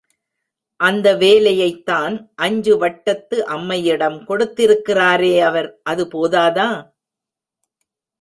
அந்த வேலையைத்தான் அஞ்சு வட்டத்து அம்மையிடம் கொடுத்திருக்கிறாரே அவர் அது போதாதா?